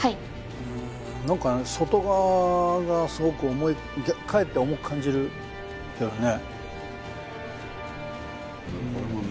うーん何か外側がすごく重いかえって重く感じるんだよね